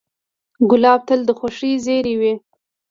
ګلاب تل د خوښۍ زېری وي.